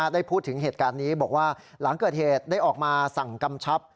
ได้พูดถึงเหตุการณ์นี้บอกว่าหลังเกิดเหตุได้ออกมาสั่งกำชับ